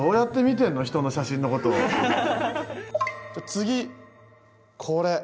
次これ。